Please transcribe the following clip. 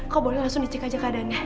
kok boleh langsung dicek aja keadaannya